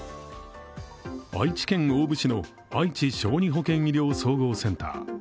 愛知県大府市のあいち小児保健医療総合センター。